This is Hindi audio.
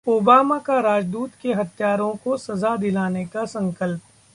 ओबामा का राजदूत के हत्यारों को सजा दिलाने का संकल्प